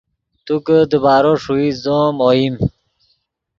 تو کہ دیبارو ݰوئیت زو ام اوئیم